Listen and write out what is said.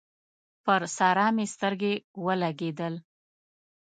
پر سارا مې سترګې ولګېدل